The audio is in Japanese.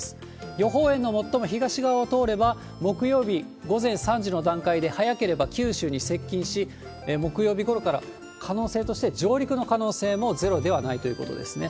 予報円の最も東側を通れば、木曜日午前３時の段階で、早ければ九州に接近し、木曜日ごろから可能性として、上陸の可能性もゼロではないということですね。